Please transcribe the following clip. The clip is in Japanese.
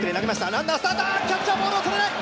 ランナースタートキャッチャーボールを捕れない！